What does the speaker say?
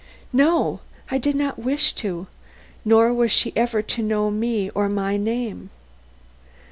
"No, I did not wish to. Nor was she ever to know me or my name."